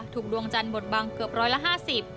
ถูกดวงจันทร์บทบังเกือบร้อยละ๕๐